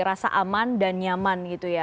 rasa aman dan nyaman